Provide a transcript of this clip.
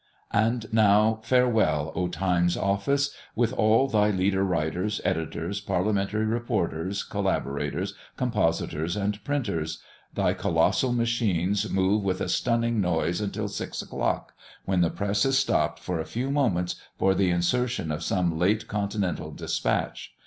And now farewell, O Times' office, with all thy leader writers, editors, parliamentary reporters, collaborators, compositors, and printers! Thy colossal machines move with a stunning noise until six o'clock, when the press is stopped for a few moments for the insertion of some late continental despatch.